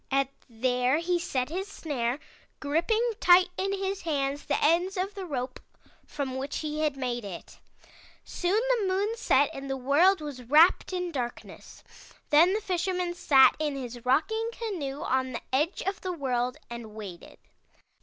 And there he set his snare, gripping tight in his hands the ends of the rope from which he had made it. "Soon the moon set and the world was wrapped in darkness. Then the Fisherman sat in his rocking canoe on the edge of the world and waited.